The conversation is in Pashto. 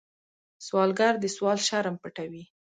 سوالګر د سوال شرم پټوي